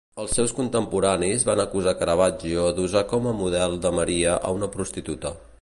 Els seus contemporanis van acusar Caravaggio d'usar com a model de Maria a una prostituta.